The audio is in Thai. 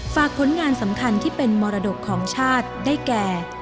ฝากผลงานสำคัญที่เป็นมรดกของชาติได้แก่